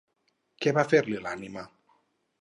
Què va fer-li l'ànima?